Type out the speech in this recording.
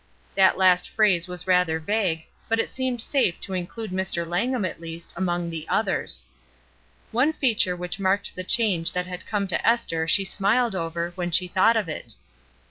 That last phrase was rather vague, but it seemed safe to include Mr. Langham, at least, among the "others." One feature which marked the change that had come to Esther she smiled over, when she thought of it.